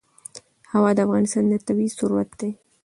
هوا د افغانستان طبعي ثروت دی.